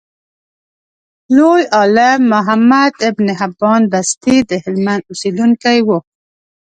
لوی عالم محمد ابن حبان بستي دهلمند اوسیدونکی و.